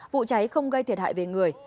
vụ cháy không gây thiệt hại về người